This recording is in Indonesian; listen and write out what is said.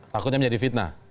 takutnya menjadi fitnah